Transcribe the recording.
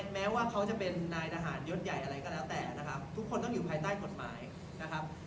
แม้ว่าเขาจะเป็นนายทหารยศใหญ่อะไรก็แล้วแต่นะครับทุกคนต้องอยู่ภายใต้กฎหมายนะครับ